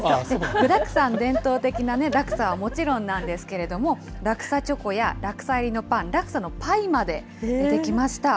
具だくさん、伝統的なラクサはもちろんなんですけれども、ラクサチョコや、ラクサ入りのパン、ラクサのパイまで出てきました。